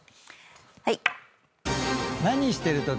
はい。